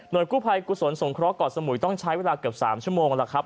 โดยกู้ภัยกุศลสงเคราะห่อสมุยต้องใช้เวลาเกือบ๓ชั่วโมงแล้วครับ